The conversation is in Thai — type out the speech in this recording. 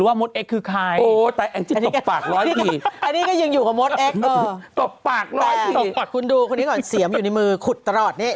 คุณดูคนนี้ก่อนเสียมอยู่ในมือขุดตลอด